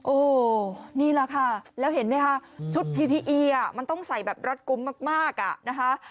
โอ้โหนี่แหละค่ะแล้วเห็นไหมคะชุดพีพีอีอ่ะมันต้องใส่แบบรัดกุ้มมากอ่ะนะคะ